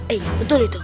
eh betul itu